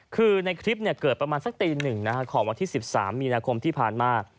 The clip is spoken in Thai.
คือในคลิปเนี่ยเกิดประมาณสักตีหนึ่งนะครับขอบวันที่สิบสามมีนาคมที่ผ่านมา